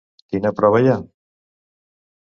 Quina prova hi ha?